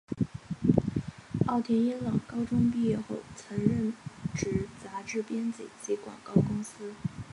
奥田英朗高中毕业后曾任职杂志编辑及广告公司。